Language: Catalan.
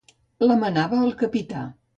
La manava el capità.